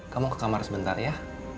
kamu ke kamar sebentar ya